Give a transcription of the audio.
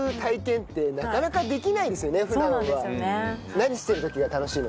何してる時が楽しいの？